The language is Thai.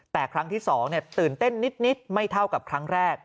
แต่ครั้งที่๒ตื่นเต้นนิดไม่เท่ากับครั้งแรก